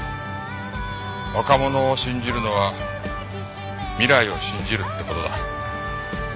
若者を信じるのは未来を信じるって事だ。